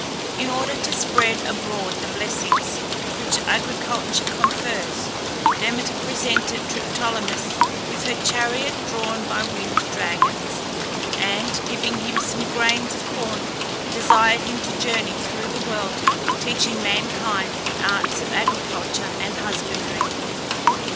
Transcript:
In order to spread abroad the blessings which agriculture confers, Demeter presented Triptolemus with her chariot drawn by winged dragons, and, giving him some grains of corn, desired him to journey through the world, teaching mankind the arts of agriculture and husbandry.